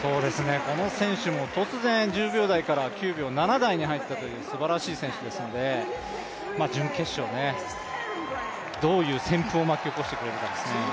この選手も突然１０秒台から、９秒７台に入ったというすばらしい選手ですので、準決勝、どういう旋風を巻き起こしてくれるかですね。